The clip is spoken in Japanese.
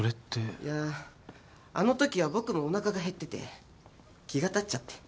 いやぁあのときは僕もおなかが減ってて気が立っちゃって。